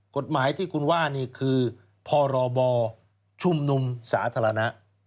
กฎหมายที่คุณว่านี่คือพรบชุมนุมสาธารณะ